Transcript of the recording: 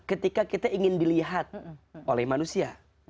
ketika kita ingin dilihat oleh manusia